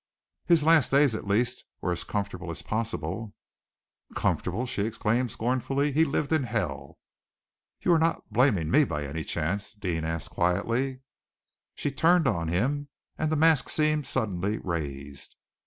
"His last days, at least, were as comfortable as possible." "Comfortable!" she exclaimed scornfully. "He lived in hell!" "You are not blaming me, by any chance?" Deane asked quietly. She turned upon him, and the mask seemed suddenly raised.